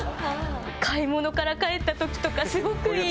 買い物から帰った時とかすごくいい！